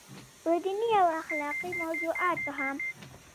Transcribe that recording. پۀ ديني او اخلاقي موضوعاتو هم